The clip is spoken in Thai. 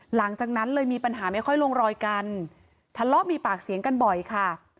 หลังจากนั้นเลยมีปัญหาไม่ค่อยลงรอยกันทะเลาะมีปากเสียงกันบ่อยค่ะ